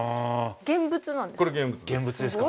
現物なんですか？